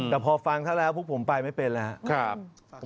แต่พอฟังท่านแล้วพวกผมไปไม่เป็นแล้ว